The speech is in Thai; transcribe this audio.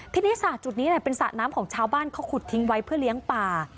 ทีนี้สระจุดนี้เป็นสระน้ำของชาวบ้านเขาขุดทิ้งไว้เพื่อเลี้ยงป่า